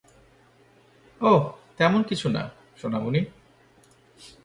ওহ, তেমন কিছু না, সোনামণি।